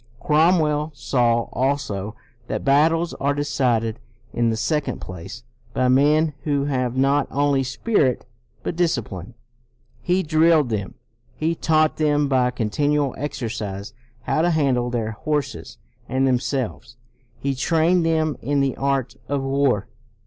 Cromwell saw also that battles are de cided, in the second place, by men who have not only spirit but discipline. He CROMWELL 245 drilled them. He taught them by con tinual exercise how to handle their horses and themselves. He trained them in the art of war.